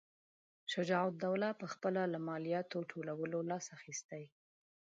شجاع الدوله پخپله له مالیاتو ټولولو لاس اخیستی.